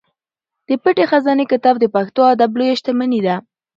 د پټې خزانې کتاب د پښتو ادب لویه شتمني ده.